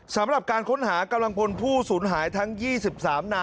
สำหรับการค้นหากำลังพลผู้สูญหายทั้ง๒๓นาย